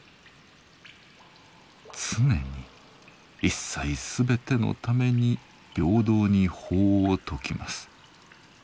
常に一切すべてのために平等に法を説きます。